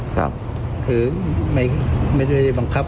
คือไม่ได้บังคับ